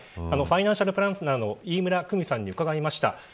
ファイナンシャルプランナーの飯村久美さんに伺いました。